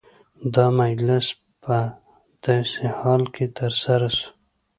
دا مجلس په داسي حال کي ترسره سو،